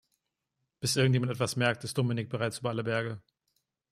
Bis irgendjemand etwas merkt, ist Dominik bereits über alle Berge.